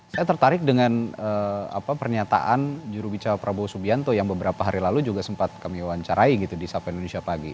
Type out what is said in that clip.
saya tertarik dengan pernyataan jurubicara prabowo subianto yang beberapa hari lalu juga sempat kami wawancarai gitu di sapa indonesia pagi